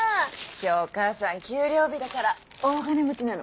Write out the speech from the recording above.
今日お母さん給料日だから大金持ちなの。